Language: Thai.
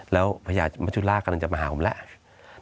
แล้วพญาติมทูลลากกำลังจะมาหาผมแล้ว